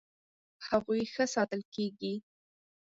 هغوی ښه ساتل کیږي.